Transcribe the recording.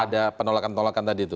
ada penolakan penolakan tadi itu